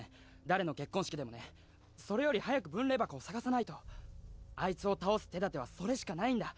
誰の結婚式でもねそれより早く分霊箱を探さないとあいつを倒す手だてはそれしかないんだ